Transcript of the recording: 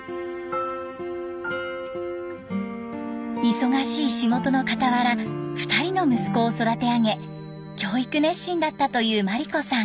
忙しい仕事のかたわら２人の息子を育て上げ教育熱心だったという眞理子さん。